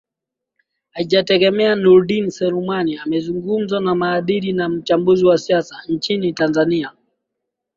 haijatengemaa nurdin selumani amezungumzo na mhadiri na mchambuzi wa siasa nchini tanzania